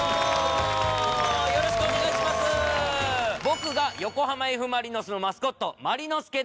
僕が横浜Ｆ・マリノスのマスコットマリノスケで。